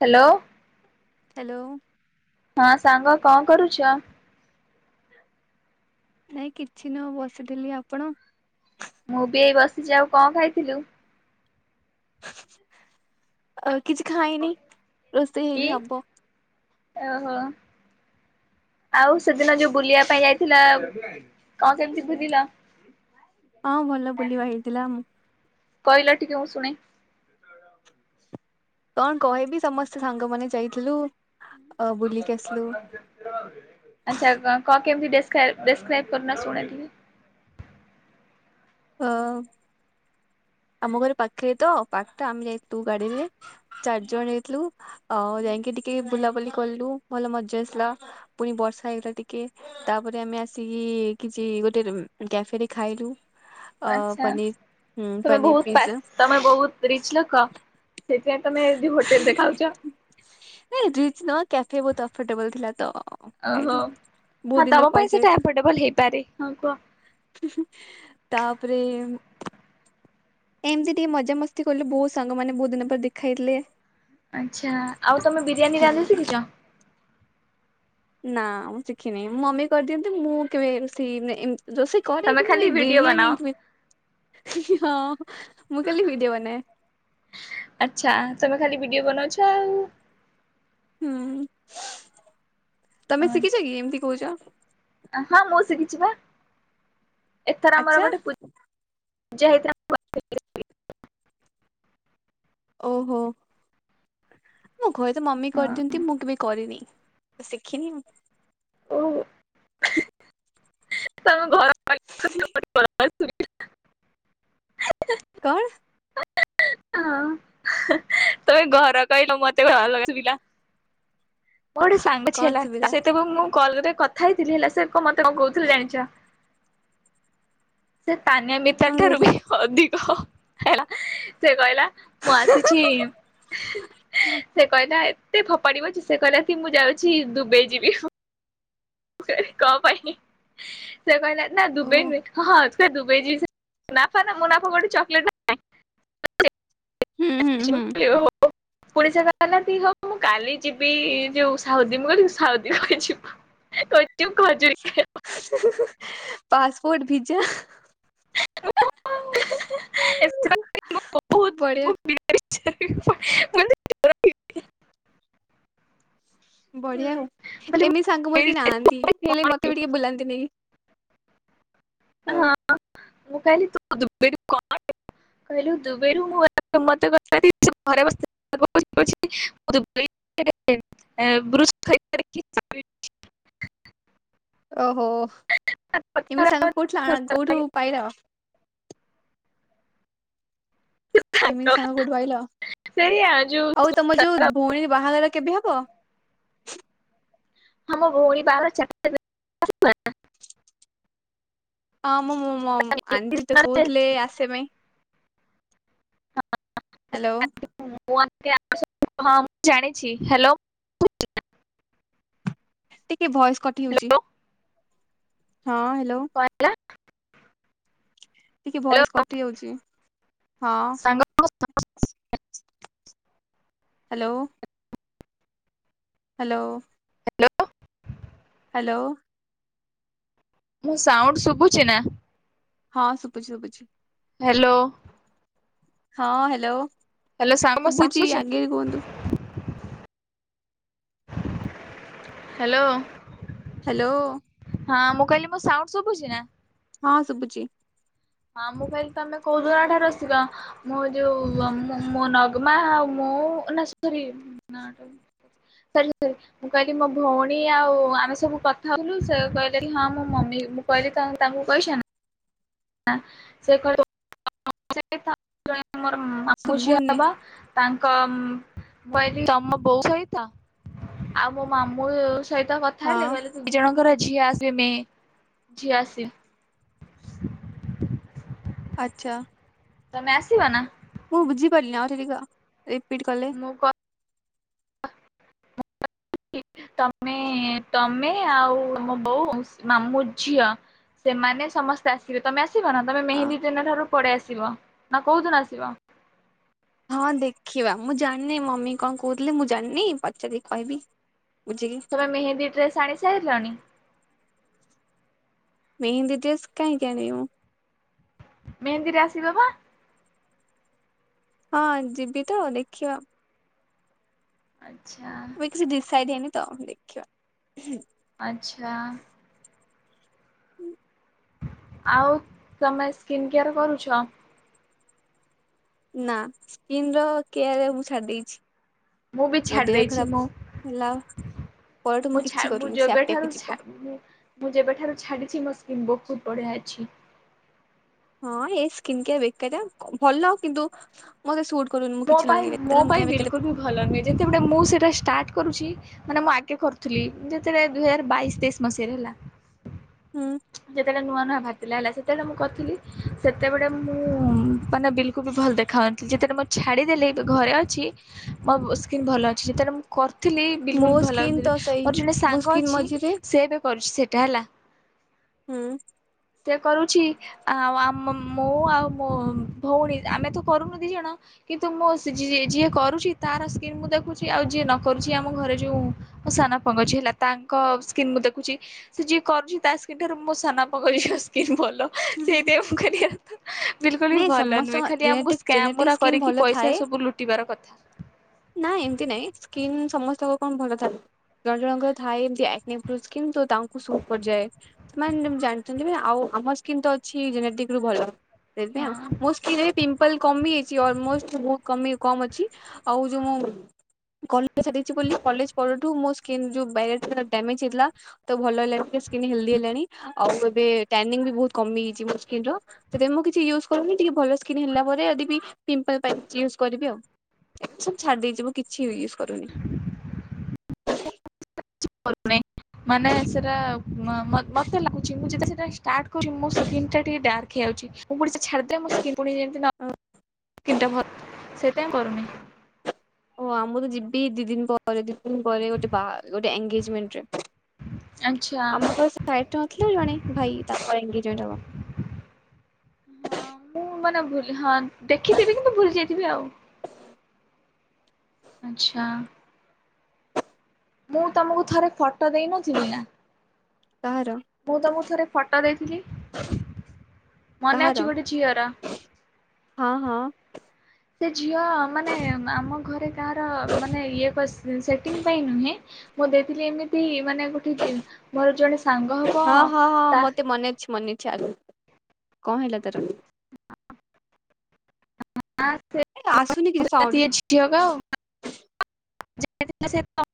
Hello! Hello! ହଁ ସାଙ୍ଗ କଣ କରୁଛ? ନାଇଁ କିଛି ନ ବସିଥିଲି ଆପଣ? ମୁଁ ବି ଏଇ ବସିଛି ଆଉ, କଣ ଖାଇଥିଲୁ? ଆ, କିଛି ଖାଇନି, ରୋଷେଇ କି? ହେଇନି ହବ। ଓହୋ ଆଉ ସେଦିନ ଯୋଉ ବୁଲିବା ପାଇଁ ଯାଇଥିଲ! କଣ କେମିତି ବୁଲିଲ? ହଁ ଭଲ ବୁଲିବା ହେଇଥିଲା। ମୁଁ କହିଲ ଟିକେ ଓ ଶୁଣେ। କଣ କହିବି? ସମସ୍ତେ ସାଙ୍ଗମାନେ ଯାଇଥିଲୁ। ଅ ବୁଲିକି ଆସିଲୁ। ଆଛା କ-କ-କେମତି ଡେସ କ୍ରାଇବ ଡେସ୍କ୍ରାଇବ କଲୁ ନା ଶୁଣେଟିକେ। ହଁ। ଆମ ଘରେ ପାଖରେ ତ, ପାଖଟା ଆମେ ଯାଇତୁ ଗାଡିରେ ଚାରି ଜଣ ଯାଇଥିଲୁ। ଅଓ ଯାଇଁକି ଟିକେ ବୁଲାବୁଲି କଲୁ ଭଲ ମଜା ଆସିଲା। ପୁଣି ବର୍ଷା ହେଇଗଲା ଟିକେ ତାପରେ, ଆମେ ଆସିକି-ଇ କିଛି ଗୋଟେ କାଫେରେ ଖାଇଲୁ, ଅ ଆଚ୍ଛା ପନିର ତମେ ପନିର ବହୁତ ପାସ୍ ପିଜ୍ଜା। ତମେ ବହୁତ ରିଚ୍ ଲୋକ। ସେ ନାଇଁ ରିଚ୍ ନୁହଁ, କ୍ୟାଫେ ବହୁତ ଅଫର୍ଟେବଲ ଥିଲା ତ! ଖାଇଲୁ। ଓହୋ! ବହୁତ ହଁ ଦିନ ତମ ପରେ ପାଇଁ ସେଇଟା ଆଫୋର୍ଡବଲ ହେଇପାରେ। ହଁ କୁହ। ହିଁ ହିଁ, ତାପରେଇମ୍ ଏମିତି ଟିକେ ମଜାମସ୍ତି କଲୁ। ବହୁତ ସାଙ୍ଗ ମାନେ, ବହୁତ ଦିନ ପରେ ଦେଖା ହେଇଥିଲେ। ଆଚ୍ଛା, ଆଉ ତମେ ବିରିୟାନୀ ରାନ୍ଧି ଶିଖିଛ? ନା ମୁଁ ଶିଖି ନାହିଁ ମଁ ମମି କରିଦିଅନ୍ତି, ମୁଁ କେବେ ରୋଷେଇ ନା ଏମ୍ ରୋଷେଇ କରେ, ତମେ କିନ୍ତୁ ଖାଲି ଏଇ ଭିଡିଓ ବିରିୟାନୀ ବନାଅ। କି! ହି ହି ହଁ। ମୁଁ ହାଁ ଖାଲି ହାଁ ଭିଡିଓ ବନାଏ ହାଁ ଆଚ୍ଛା ତମେ ଖାଲି ବି ଗି ବନଛାଉ ହୁଁ, ତମେ ଶିଖିଛ ଆଚ୍ଛା କି, ଏମିତି କହୁଛ? ହଁ, ମୁଁ ଶିଖିଛି ବା। ଏଥର ଆମର ଆଚ୍ଛା ଗୋଟେ ପୂ ଜା ହେଇଥି [inaudible] ଓହୋ! ହୁଏ ତ ମମି ହଁ କରିଦିଅନ୍ତି। ମୁଁ କେବେ କରିନି। ଶିଖିନି ଆଉ ଓୁ! ତମ ଘର ବସ୍ ସୁ [inaudible] କଣ? ହଁ ତମେ ଘର କହିଲ ମତେ [unintelligible] ଶୁଭିଲା। ମୋର ଗୋଟେ ସାଙ୍ଗ ଝିଅ କଣ ହେଲା ଶୁଭିଲା ସେ ଯେତେବେଳେ ମୁଁ କଲ କରେ କଥା ହେଇଥିଲି ହେଲା ସେ ମତେ କଣ କହୁଥିଲେ ଜାଣିଛ? ସେ ସ୍ଥାନୀୟ ବିିତାର କଣ ଠାରୁ ବି କହୁଥିଲା? ଅଧିକ ହେଲା ସେ କହିଲା ମୁଁ ଆସିଛି ସେ କହିଲା କେତେ ଫୋପାଡିବ ଯେ ସେ କହିଲା କି ମୁଁ ଯାଉଛି ଦୁବାଇ ଯିବି। କଣ ପାଇଁ ସେ କହିଲା ନା ଓ ଦୁବାଇ ନୁହେଁ ହଁ ହଁ ଦୁବେଇ ଯିବି ନା ମୋ ନା ଗୋଟେ ଚକୋଲେଟ୍ ହୁଁ ହୁଁ ହୁଁ [unintelligible] ପଡିଶାଗା ହେଲା ଦ ହଉ ମୁଁ କାଲି ଯିବି ଯୋଉ ସାଉଦି ମୁଁ କହିଲି ସାଉଦି କଣ ପାଇଁ ଯିବୁ? [unintelligible] ଖଜୁରୀ ପାସ୍ପୋର୍ଟ ଭିଜା। [unintelligible] ବହୁତ ବଢିଆ। ମୁଁ ମୁଁ [unintelligible] ବଢିଆ ହଉ ଏମିତି ସାଙ୍ଗ ମୋର କେହି ନାହାନ୍ତି ହେଲେ ମତେ ବି ଟିକେ ବୁଲାନ୍ତି ନେଇକି। ହଁ ତ ମୁଁ କହିଲି ତୁ [unintelligible] କହିଲୁ ଦୁବାଇରୁ ମୁଁ [unintelligible] [unintelligible] ଓହୋ ଏମିତି ସାଙ୍ଗ କୋଉଠୁ କୋଉଠୁ ପାଇଲ? ଏମିତି ସାଙ୍ଗ କୋଉଠୁ ପାଇଲ? ସେଇଆ ଯୋଉ ଆଉ ତମ ଯୋଉ ଭଉଣୀ ବାହାଘର କେବେ ହବ? ଆମ ଭଉଣୀ ବାହାଘର ଚାରି ତାରିଖୀ। ତୁ ଆସିବୁ ନା? ଆମ ଆଣ୍ଟି ତ କହୁଥିଲେ ଆସିବା ପାଇଁ। ହଁ। ହାଲୋ। ମୁଁ ହଁ ମୁଁ ଜାଣିଛି, ହାଲୋ ଟିକେ ଭଏସ କଟି ହେଉଛି, ହ୍ୟାଲୋ ହଁ ହ୍ୟାଲୋ ହ [inaudible] ଟିକେ ବୟସ କଟି ଯାଉଛି, ହଁ ସାଙ୍ଗ ହାଲୋ ହାଲୋ ହାଲୋ ମୁଁ ସାଉଣ୍ଡ ଶୁଭୁଛିି ନା ହଁ ସୁପୁଛି ସୁପୁଛି। ହାଲୋ ହଁ ହାଲୋ ସାଙ୍ଗ ମୋ ସାଉଣ୍ଡ ଶୁଭୁଛି, ନା ଆଗେ କୁହନ୍ତୁ? ହାଲୋ ହାଲୋ ହଁ ମୁଁ କହିଲି ମୋ ସାଉଣ୍ଡ ଶୁଭୁଛି ନା? ହଁ ଶୁଭୁଛି। ହଁ ମୁଁ କହିଲି ତମେ କୋଉଦଠା [unintelligible] ରସିକ ମୁଁ ଯୋଉ ମୋ ନଗମା ଆଉ [unintelligible] ହ ନ ମୁଁ କହିଲି ମୋ ଭଉଣୀ ଆଉ ଆମେ ସବୁ କଥା ହଉଥିଲୁ, ସେ କହିଲେ ହଁ ମୋ ମମି ମୁଁ କହିଲି ତ, ତାଙ୍କୁ କହିସ ନା ସେ କ [unintelligible] ମୋର ମାମୁଁ ଝିଅ ଶୁଭୁନି ହବ, ତା କମ୍, ମୁଁ କଇଲି, ତମ ବୋଉ ସହିତ ଆଉ ମୋ ମାମୁଁ ସହିତ କଥା ହଁ ହେଲେ, କହିଲେ- ଦୁଇ ଜଣଙ୍କର ଝିଅ ଆ ମେ ଝିଆସେ ଆଛା। ତମେ ଆସିବ ନା ମୁଁ ବୁଝିପାରିଲିନି, ଆଉ ଟିକେ କ, ରିପିଟ୍ କଲେ। ମୁଁ କ ତମେ ମେ, ତମେ ଆଉ ମୋ ବୋଉ ମାମୁଁ ଝିଅ। ସେମାନେ ସମସ୍ତେ ଆସିବେ, ତମେ ଆ ଆସିବ ନା ତମେ ଅ ମେହେନ୍ଦୀ ଦିନ ଠାରୁ ପଳେଇ ଆସିବ ନା କୋଉଦିନ ଆସିବ? ହଁ ଦେଖିବା, ମୁଁ ଜାଣିନି ମମି କଣ କହୁଥିଲେ ମୁଁ ଜାଣିନି, ପଚାରିକି କହିବି। ବୁଝିକି ତମେ ମେହେନ୍ଦୀ ଡ୍ରେସ୍ ଆଣି ସାରିଲନି। ମେହେନ୍ଦୀ ଡ୍ରେସ୍ କାହିଁକି ଆଣିବି ମୁଁ? ମେହେନ୍ଦୀରେ ଆସିବ ବା ହଁ ଯିବି ତ, ଦେଖିବା। ଆ ଉଇଥି ଡିସାଇଡ୍ ହେଇନି ତ ଦେଖିବା। ଆଚ୍ଛା ଆଉ ତମେ ସ୍କିନ୍ କେୟାର କରୁଛ। ନା ସ୍କିିନ୍ ର କେୟାର ମୁଁ ଛାଡି ଦେଇଛି। ମୁଁ ବି ମୋ ଛାଡ଼ି ଦେହ ଦେଇଛି, ଖରାପ ମୁଁ ହେଲା ପରଠୁ ମୁଁ, କିଛି ମୁଁ କରୁନି ସେ ଆପେ ଆପେ ଯେବେଠାରୁ, ଯିବ ମୁଁ ଯେବେଠାରୁ ଛାଡିଛି, ମୋ ସ୍କିନ୍ ବୋହୁ ମୁଁ ବଢ଼ିଆ ଅଛି। ହଁ, ସ୍କିନ କେୟାର ବେକାରିଆ, ଭଲ କିନ୍ତୁ ମତେ ସୁଟ୍ କରୁନି ମୁଁ ମୋ କିଛି ପାଇଁ, ଲଗେଇଲେ ମୋ ତାହେଲେ ମୁଁ ପାଇଁ କାଇଁ ବେକାରେ ବିଲକୁଲ ବି ଭଲ ନୁହେଁ, ଯେତେବେଳେ ମୁଁ ସେଟା ଷ୍ଟାର୍ଟ କରୁଛି ମାନେ ମୁଁ ଆଗେ କରୁଥିଲି, ଯେତେବେଳେ ଦୁଇ ହଜାର ବାଇଶି ତେଇଶ୍ ମସିହାରେ ହେଲା। ହୁଁ ଯେତେଳେ ନୁଆ ନୁଆ ଭାର୍ ହେଲାଲା ସେତେବେଳେ ମୁଁ କରିଥିଲି, ସେତେବେଳେ ମୁଁ ମାନେ ବିଲକୁ ବି ଭଲ ଦେଖାଉନଥିଲି, ଯେତେବେଳେ ଛାଡ଼ିଦେଲି, ଘରେ ଅଛି ମୋ ସ୍କିନ୍ ଭଲ ଅଛି, ଯେତେବେଳେ ମୁଁ କର ଥିଲି ମୋ ବିଲକୁଲ ସ୍କିନ୍ ଭଲାଗୁଥିଲେ ତ ସେଇ ମୋର ଜଣେ ମୋ ସାଙ୍ଗ ସ୍କିନ୍ ଅଛି ମଝିରେ ସେ ବି କରୁଛି ସେଇଟା ହେଲା। ହୁଁ। ସେ କରୁଛି ଆଉ ମୁଁ ଆଉ ମୋ ଭଉଣୀ ଆମେ ତ କରୁନୁ ଦି ଜଣ। କିନ୍ତୁ ମୁଁ ଯିଏ କରୁଛି ତାର ସ୍କିନ୍ ମୁଁ ଦେଖୁଛି ଆଉ ଯିଏ ନ କରୁଛି ଆମ ଘରେ ଯୋଉ ସା ସାନ ବାପାଙ୍କ ଝିଅ ହେଲା ତାଙ୍କ ସ୍କିନ୍ ମୁଁ ଦେଖୁଛି ଯିଏ କରୁଛି ତା ସ୍କିନ ଠାରୁ ମୋ ସାନ ବାପାଙ୍କ ଝିଅ ସ୍କିନ ଭଲ। ହାଲୋ ହୁଁ। ସେଇଥି ପାଇଁ ମୁଁ କହିଲି ଆଉ ନାଇଁ ସମସ୍ତଙ୍କ ଜେନେଟିକ ସ୍କାମ୍ ଜେନେଟିକ ଗୁରା ସ୍କିନ କରିକି ଭଲ ପଇସା ଥାଏ ସବୁ ଲୁଟିବାର କଥା। ନାଇଁ ଏମିତି ସ୍କିନ ସମସ୍ତ କଣ ଭଲ ଥାଏ ଜଣେ ଜଣଙ୍କର ଥାଏ ଏମତି କିନ୍ତୁ ତାଙ୍କୁ [unintelligible] ପଡିଯାଏ ସେମାନେ ଜାଣିଛନ୍ତି ଆଉ ଆମ ସ୍କିନ୍ ତ ଅଛି ଜେନେଟିକ ରୁ ଭଲ। ଦେବେ ଆଉ ହଁ। ମୁସ୍କିରରେ ପିମ୍ପଲ କମିଯାଇଛି। ଅଲମୋଷ୍ଟ ବହୁ କମ୍ ଅଛି ଆଉ ଯୋଉ ମୁଁ କଲେଜ କଲେଜ ପରଠୁ ମୋ ସ୍କିନ ଯୋଉ ଡାମେଜ ହେଇଥିଲା ତ ଭଲ ହେ ସ୍କିନ ହେଲଦି ହେଲାଣି ଆଉ ଏମିତି ରେ ବି ବହୁତ କମି ଯାଇଛି ମୋ ସ୍କିନର ମୁଁ ୟୁଜ୍ କରୁନି ଟିକେ ଭଲ ସ୍କିନ୍ ହେଲା ପରେ ଯଦି ପିମ୍ପଲ୍ ପାଇଁ ୟୁଜ୍ କରିବି ଆଉ। ଏ ସବୁ ଛାଡି ଦେଇଛି ମୁଁ କିଛି ହୁଁ। ବି ୟୁଜ କରୁନି। କରୁନି। ମାନେ ସେଟା ମତେ ଲାଗୁଛି ମୁଁ ଯେତେବେଳେ ଷ୍ଟାର୍ଟ କରୁଛି ମୋ ସ୍କିନ ଟା ଟିକେ ଡାର୍କ ହେଇ ମୁଁ ପୁଣି ଛାଡ଼ିଦେଲେ [unintelligible] ପୁଣି ଯେମିତି ନ ତିନିଟା ଭଲ ସେଥିପାଇଁ କରୁନି। ଓ ଆ ମୁଁ ତ ଯିବି ଦି ଦିନ ପରେ ଦ ଦିନ ପରେ ଗୋଟେ ବା ଗୋଟେ ଏଗେଜମେଣ୍ଟରେ। ଆଚ୍ଛା ଆମ ନଥିଲେ ଜଣେ ଭାଇ ଅଙ୍ଗଜେମେଣ୍ଟ ହବ। ହଁ ମୁଁ ମାନେ ଭୁଲି ହଁ ଦେଖିଥିବି କିନ୍ତୁ ଭୁଲି ଯାଇଥିବି ଆଉ। ଆଚ୍ଛା। ମୁଁ ତମକୁ ଥରେ ଫଟୋ ଦେଇ ନଥିଲି ନା। କାହାର ମୁଁ ତମକୁ ଥରେ ଫଟୋ ଦେଇଥିଲି। ମନେ କାହାର ଅଛି ଗୋଟେ ଝିଅର? ହଁ ହଁ ସେ ଝିଅ ମାନେ ଆମ ଘରେ କାହାର ମାନେ ଇଏ ଏକ ସେଟିଙ୍ଗ ପାଇଁ ନୁହେଁ। ମୁଁ ଦେଇଥିଲି ଏମିତି ମାନେ ଗୋଟେ ମୋର ଜଣେ ସାଙ୍ଗ ହବ ତା ଚାଲ କଣ ହେଲା ତାର? ଆସୁନି କିଛି ସାଉଣ୍ଡ [unintelligible]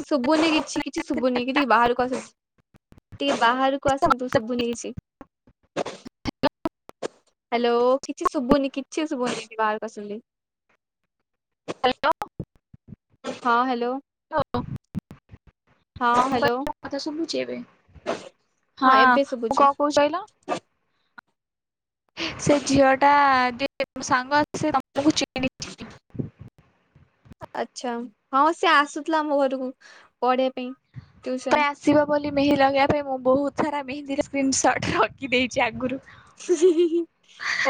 ଶୁଭୁନି କିଛି କିଛି ଶୁଭୁନି କି ଟିକେ ବାହାରକୁ ଆସ ଟିକେ ବାହାରକୁ ମୁଁ ଆସନ୍ତୁ ଶୁଭୁନି କିଛି। ହାଲୋ କିଛି ଶୁଭୁନି କିଛି ଶୁଭୁନି ବାହାରକୁ ଆସିନ୍ତୁ ଟିକେ। ହାଲୋ। ହଁ ହାଲୋ। ହଁ। ହଁ ଆମ ପା ହ୍ୟାଲୋ କଥା ସଭୁଛି ଏବେ? ହଁ ଏବେ ମୁଁ ଶୁଭୁଛି କଣ କହୁଚି କହିଲ? ସେ ଝିଅ ଟା ଯେ ତ ସାଙ୍ଗ ଆସି ତମକୁ ଚିହ୍ନିଛି। ଆଚ୍ଛା ହଁ ସେ ଆସୁଥିଲା ଆମ ଘରକୁ ପଢିବା ପାଇଁ ଟିଉସନ। ମେହୀ ଲଗେଇବା ପାଇଁ ମୁଁ ବହୁତ ସାରା ମେହନ୍ଦୀ ସ୍କ୍ରିିନସଟ ରଖିଦେଇଛି ଆଗରୁ।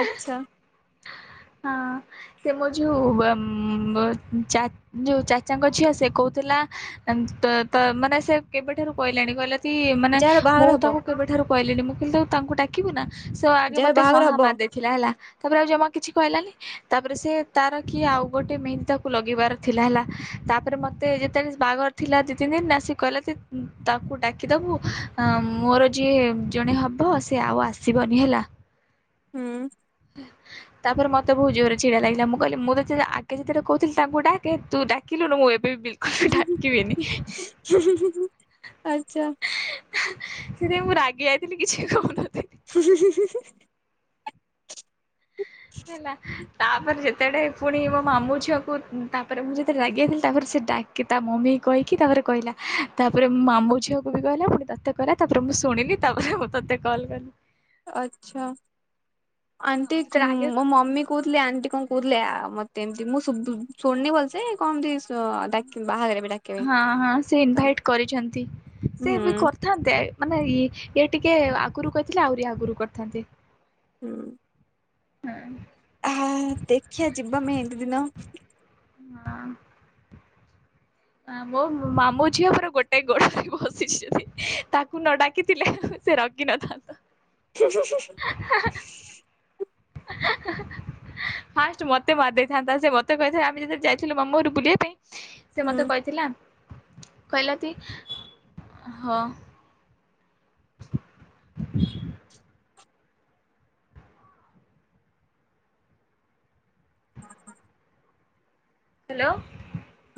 ଆଚ୍ଛା। [inaudible] ହଁ ସେ ମୋ ଯୋଉ ଯୋଉ ଚାଚାଙ୍କ ଝିଅ ସେ କହୁଥିଲା ତ ତ ମାନେ ସେ କେବେଠାରୁ କହିଲାଣି କହିଲେ ମାନେ ଯାହାର ମୁଁ ବାହାଘର ହବ ତାଙ୍କୁ କେବେଠାରୁ କହିଲିିନି ମୁଁ କିନ୍ତୁ ତାଙ୍କୁ ଡାକିବି ନା? ସେ ଆଗେ ଯାହାର ମତେ ହଁ ବାହାଘର ହବ ମାରିଦେଇଥିଲା ହେଲା। ତାପରେ ଆଉ ଜମା କିଛି କହିଲାନି ତାପରେ ସେ ତାର କି ଆଉ ଗୋଟେ ମେହେନ୍ଦୀ ତାକୁ ଲଗେଇବାର ଥିଲା ହେଲା। ତାପରେ ମତେ ଯେତେବେଳେ ବାହାଘର ଥିଲା ଦି ତିନି ଦିନ ନାସିକ କିଲ ତାକୁ ଡାକିଦବୁ ମୋର ଯିଏ ଜଣେ ହବ ସେ ଆଉ ଆସିବନି ହେଲା। ହୁଁ। ହଁ ତାପରେ ମତେ ବହୁତ ଜୋର୍ ରେ ଚିଡା ଲାଗିଲା। ମୁଁ କହିଲି ମୁଁ ତ ଆଗେ ଯେତେବେଳେ କହୁଥିଲି ତାଙ୍କୁ ଡାକେ ତୁ ଡାକିଲୁନୁ ମୁଁ ଏ ହୁ ଉଁ ହୁଁ ହୁଁ ହୁଁ ହୁଁ ଆଚ୍ଛା। ସେଥିପାଇଁ ମୁଁ ରାଗି ଯାଇଥିଲି କିଛି କହୁନଥିଲି। ହୁଁ ହୁଁ ହୁଁ। ହେଲା। ତାପରେ ଯେତେବେଡେ ପୁଣି ମୋ ମାମୁଁ ଛୁଆକୁ ତାପରେ ମୁଁ ଯେତେବେଳେ ରାଗି ଯାଇଥିଲି ତାପରେ ସେ ଡାକି ତା ମମି କହିକି ତାପରେ କହିଲା ତାପରେ ମୋ ମାମୁଁ ଝିଅକୁ ବି କହିଲା ପୁଣି ତତେ କହିଲା ତାପରେ ମୁଁ ଶୁଣିଲି ତାପରେ ତତେ କଲ କଲି। ଆଚ୍ଛା ଆଣ୍ଟି ଯେତେବେଳେ ଆଗେ ମୋ ମମି କହୁଥିଲେ ଆଣ୍ଟି କଣ କହୁ ଥିଲେ ମତେ ଏମତି ମୁଁ ଶୁ-ଶୁଣନି ଭଲସେ କଣ ଏମତି ହଁ ହଁ ସେ ତ ଇନଭାଇଟ କରିଛନ୍ତି। ସେ ବି ହୁଁ କରିଥାନ୍ତେ ମାନେ ଇଏ ଇଏ ଟିକେ ଆଗରୁ କହିଥିଲେ ଆହୁରି ଆଗରୁ କରିଥାନ୍ତେ। ହୁଁ। ହଁ। ହଁ ଦେଖିଆ ଯିବା ମେହେନ୍ଦି ଦିନ। ହଁ। ମୋ ମାମୁଁ ଝିଅ ପୁରା ଗୋଟାଏ ଗୋଡ ଧରି ବସିଛନ୍ତି ତାକୁ ନ ଡାକିଥିଲେ ସେ ରଖି ନଥାନ୍ତା। ଆ ହ ଫାଷ୍ଟ ମତେ ବାଡ଼େଇଥାନ୍ତା ସେ ମତେ କହିଥାନ୍ତା ଆମେ ଯେତେବେଳେ ଯାଇଥିଲୁ ମାମୁଁ ଘରୁ ବୁଲିବା ପାଇଁ ସେ ହୁଁ ମତେ କହିଥିଲା, କହିଲା କି ହଁ। ଆ ହ୍ୟାଲୋ।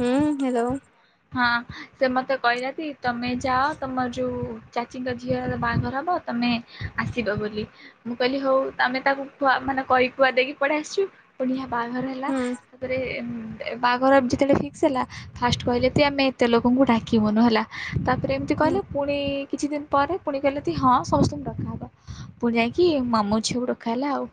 ହୁଁ ହ୍ୟାଲୋ। ହଁ ସେ ମତେ କହିଲାତି ତମେ ଯାଅ ତମର ଯୋଉ ଚାଚୀଙ୍କ ଝିଅ ବାହାଘର ହବ ତମେ ଆସିବ ବୋଲି। ମୁଁ କହିଲି ହଉ ତମେ ତାକୁ ଖୁଆ ମାନେ କହି କୁହା ଦେଇକି ପଳେଇ ଆସିଛୁ, ପୁଣି ଆ ବାହାଘର ହେଲା ହୁଁ ତାପରେ ବାହାଘର ଯେତେବେଳେ ଫିକ୍ସ ହେଲା ଫାଷ୍ଟ କହିଲେ ଏମିତି ଆମେ ଏତେଲୋକଙ୍କୁ ଡାକିବୁନୁ ହେଲା। ତାପରେ ଏମିତି ହୁଁ। କହିଲେ ପୁଣି କିଛି ଦିନ ପରେ ପୁଣି କହିଲେ ତି ହଁ ସମସ୍ତଙ୍କୁ ଡକାହେବ। ପୁଣି ଯାଇକି ମାମୁଁ ଝିଅକୁ ଡକା ହେଲା ଆଉ।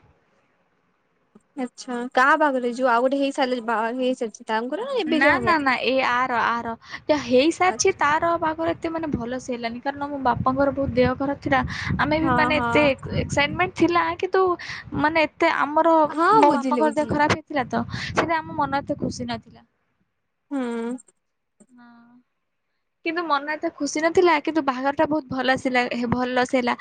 ଆଚ୍ଛା। କାହା ବାହାଘର ଏଇ ଯୋଉ ଆଉ ଗୋଟେ ହେଇସାରିଲେ ବା ହେଇସାରିଛି ତାଙ୍କର ନା ଏବେ ନାଁ ଯୋଉ ହବ? ନାଁ ନାଁ ଏଇ ଆର ଆର ଯାହା ହେଇସାରିଛି ତାର ବାହାଘର ଏତେ ମାନେ ଭଲ ସେ ହେଲାନି କାରଣ ମୋ ବାପାଙ୍କର ବହୁତ ଦେହ ଖରାପ ଥିଲା, ଆମେ ବି ହଁ ମାନେ ହଁ ଏତେ ଏକ୍ସାଇଟମେଣ୍ଟ ଥିଲା କିନ୍ତୁ ମାନେ ଏତେ ଆମର ହଁ ମୋ ବୁଝିଲି ବାପାଙ୍କର ଦେହ ବୁଝିଲି ଖରାପ ହେଇଥିଲା ତ ସେଟି ଆମ ମନ ଏତେ ଖୁସି ନଥିଲା। ହୁଁ। ହଁ। କିନ୍ତୁ ମନ ଏତେ ଖୁସି ନଥିଲା କିନ୍ତୁ ବାହାଘରଟା ବହୁତ ଭଲ ଆସିଲା ଭଲସେ ହେଲା।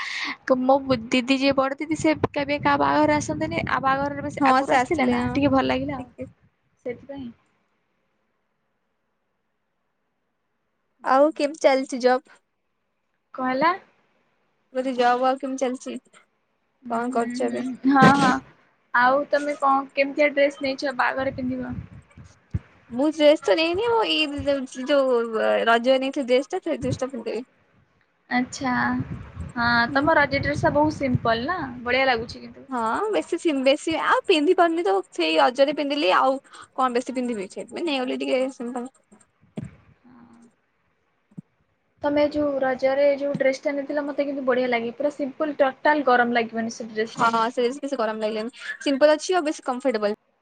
ମୋ ମୋ ଦିଦି ଯିଏ ବଡ ଦିଦି ସେ କେବେ କାହା ବାହାଘର ଆସନ୍ତିନି, ଆ ବାହାଘରରେ ବେଶ ହଁ ସେ ଆଗରୁ ଆସିଥିଲା ଆସିଥିଲେ ନା ଟିକେ ଭଲ ଲାଗିଲା ହଁ। ଆଉ। ସେଥିପାଇଁ ଆଉ କେମତି ଚାଲିଚି ଜବ୍? କଣ ହେଲା? ମୁଁ କହିଲି ଜବ୍ ଆଉ କେମତି ଚାଲିଚି? ହୁଁ ହୁଁ ହୁଁ ହଁ ହଁ ଆଉ ତମେ କଣ କେମିତିଆ ଡ୍ରେସ ନେଇଛ ବାହାଘରେ ପିନ୍ଧିବ? ମୁଁ ଡ୍ରେସ ତ ନେଇନି ମୁଁ ଏଇ ଯୋ-ଯୋଉ ରଜରେ ନେଇଥିଲି ଡ୍ରେସ ଟା ସେ ଡ୍ରେସ ଟା ପିନ୍ଧିଦେବି। ଆଛା, ହଁ ତମ ରଜ ଡ୍ରେସ ଟା ବହୁ ସିମ୍ପଲ ନା ଭଳିିଆ ଲାଗୁ ହଁ ବେଶୀ, ବେଶୀ ଆଉ ପିନ୍ଧି ନି ତ ସେଇ ଅଜରେ ପିନ୍ଧିଲି ଆଉ କଣ ବେଶୀ ପିନ୍ଧିବି ସେଥିପାଇଁ ନେଇଗଲି ଟିକେ ସିମ୍ପଲ। ହଁ [inaudible] ତମେ ଯୋଉ ରଜରେ ଯୋଉ ଡ୍ରେସ ଟା ନେଇଥିଲ, ମୋତେ କିନ୍ତୁ ବଢିଆ ଲାଗେ, ପୁରା ସିମ୍ଲଲ ଟଟାଲ ଗରମ ଲାଗିବ ହଁ ସେ ବେଶ ଗରମ ଲାଗିଲାନି, ସିମ୍ପଲ ଅଛି ଆଉ ବେଶୀ କମ୍ଫର୍ଟେବଲ।